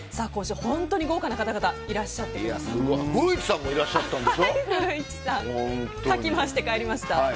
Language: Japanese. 今週、本当に豪華な方々がいらっしゃってくださいました。